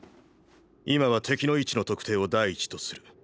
今は敵の位置の特定を第一とする。